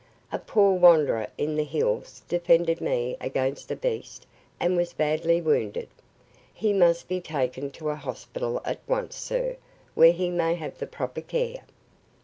A poor wanderer in the hills defended me against the beast and was badly wounded. He must be taken to a hospital at once, sir, where he may have the proper care."